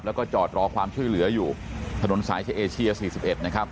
แล้วก็จอดรอความช่วยเหลืออยู่ถนนสายชะเอเชีย๔๑นะครับ